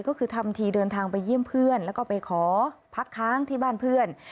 ก็คือทำทีเดินทางไปเยี่ยมเพื่อนแล้วก็ไปขอพักค้างที่บ้านเพื่อน